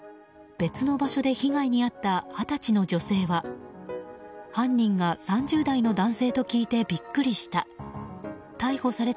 別の場所で被害に遭った二十歳の女性は犯人が３０代の男性と聞いてビックリした。